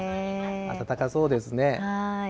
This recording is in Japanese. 暖かそうですね。